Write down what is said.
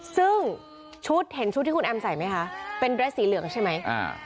ซึ่งชุดเห็นชุดที่คุณแอมใส่ไหมคะเป็นเรสสีเหลืองใช่ไหมอ่า